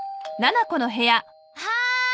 はい。